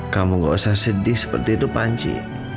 kamu gak usah sedih seperti itu panci